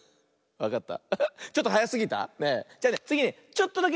わかった？